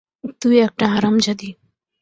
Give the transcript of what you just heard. তুই একটা হারামজাদি!